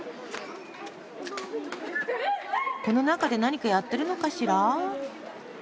この中で何かやってるのかしら？